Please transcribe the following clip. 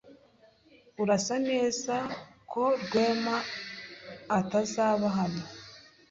Urasa neza neza ko Rwema atazaba hano.